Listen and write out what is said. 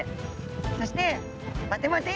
そして「待て待てい！